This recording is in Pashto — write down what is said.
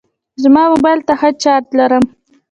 زما موبایل ته ښه چارجر لرم.